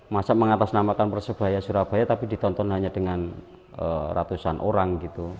masa mengatasnamakan persebaya surabaya tapi ditonton hanya dengan ratusan orang gitu